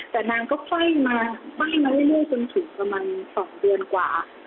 แต่นางก็ค่อยมาไหว้มาเรื่อยจนถึงประมาณ๒เดือนกว่า